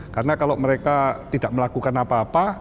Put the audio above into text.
karena kalau mereka tidak melakukan apa apa